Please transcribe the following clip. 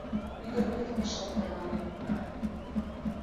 Ӱдыр вик ышат тарване.